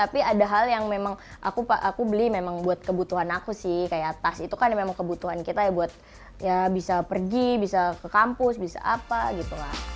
pelaku sih kayak tas itu kan memang kebutuhan kita ya buat ya bisa pergi bisa ke kampus bisa apa gitu lah